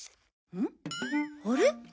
うん？あれ？